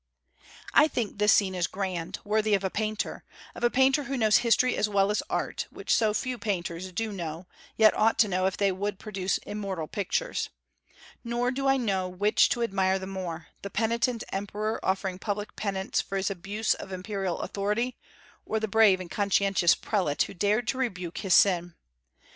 I think this scene is grand; worthy of a great painter, of a painter who knows history as well as art, which so few painters do know; yet ought to know if they would produce immortal pictures. Nor do I know which to admire the more, the penitent emperor offering public penance for his abuse of imperial authority, or the brave and conscientious prelate who dared to rebuke his sin.